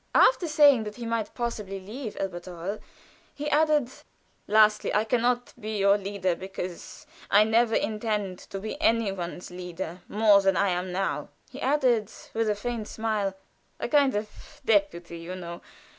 After saying that he might possibly leave Elberthal, he added: "Lastly, I can not be your leader because I never intend to be any one's leader more than I am now," he added, with a faint smile. "A kind of deputy, you know.